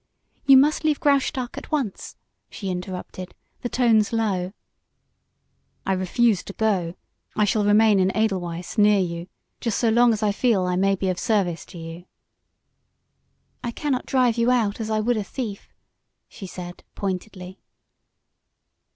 You must leave Graustark at once!" she interrupted, the tones low. "I refuse to go! I shall remain in Edelweiss, near you, just so long as I feel that I may be of service to you." "I cannot drive you out as I would a thief," she said, pointedly.